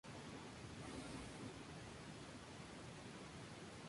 Pero cuando se suma todo, se trata de juegos de azar en Internet".